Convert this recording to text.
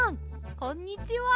こんにちは！